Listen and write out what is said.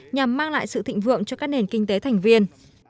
nhằm mang lại sự thịnh vượng cho các nền kinh tế thành viên